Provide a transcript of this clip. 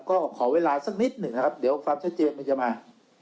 ก็ขอเวลาสักนิดหนึ่งนะครับเดี๋ยวความชัดเจนมันจะมา